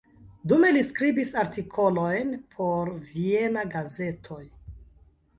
Dume li skribis artikolojn por viena gazetoj.